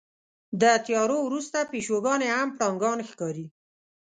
د تیارو وروسته پیشوګانې هم پړانګان ښکاري.